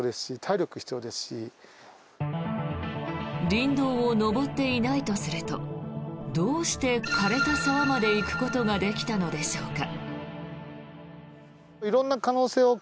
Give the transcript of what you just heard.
林道を上っていないとするとどうして枯れた沢まで行くことができたのでしょうか。